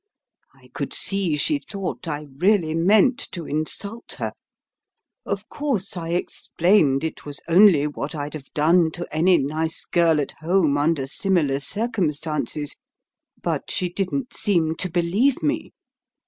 I could see she thought I really meant to insult her. Of course, I explained it was only what I'd have done to any nice girl at home under similar circumstances; but she didn't seem to believe me.